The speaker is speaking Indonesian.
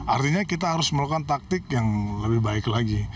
artinya kita harus melakukan taktik yang lebih baik lagi